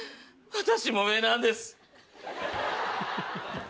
私も上なんです。